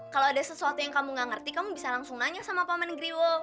kalau ada sesuatu yang kamu gak ngerti kamu bisa langsung nanya sama paman griwo